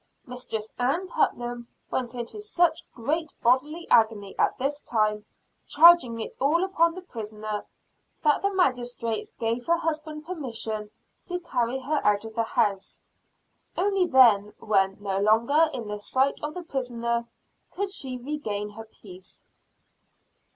Mistress Ann Putnam went into such great bodily agony at this time, charging it all upon the prisoner, that the magistrates gave her husband permission to carry her out of the house. Only then, when no longer in the sight of the prisoner, could she regain her peace.